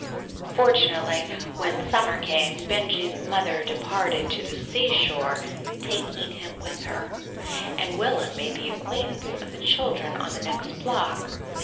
Fortunately, when summer came, Benjy's mother departed to the seashore, taking him with her, and Will'm made the acquaintance of the children on the next block.